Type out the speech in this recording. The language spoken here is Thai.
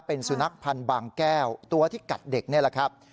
เป็นสุนัขพันธ์บางแก้วตัวที่กัดเด็กนี่แหละครับ